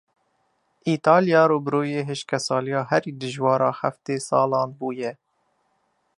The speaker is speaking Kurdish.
Îtalya rûbirûyê hişkesaliya herî dijwar a heftê salan bûye.